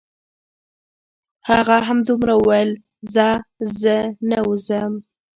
هغه همدومره وویل: ځه زه نه وځم.